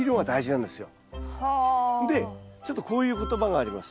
でちょっとこういう言葉があります。